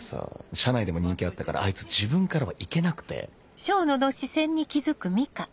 社内でも人気あったからあいつ自分からはいけなくて。